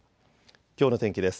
きょうの天気です。